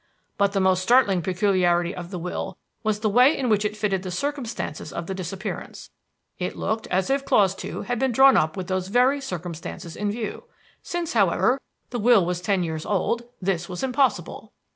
"But the most startling peculiarity of the will was the way in which it fitted the circumstances of the disappearance. It looked as if clause two had been drawn up with those very circumstances in view. Since, however, the will was ten years old, this was impossible.